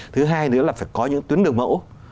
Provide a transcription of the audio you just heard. thứ hai nữa là phải có những tuyến đường mẫu